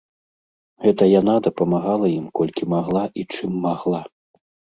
Гэта яна дапамагала ім колькі магла і чым магла.